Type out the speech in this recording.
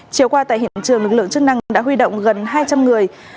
chiều qua tại hiện trường lực lượng chức năng đã huy động gần hai trăm linh người